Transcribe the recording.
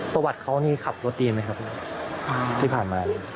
ประวัติเขานี่ขับรถดีไหมครับที่ผ่านมา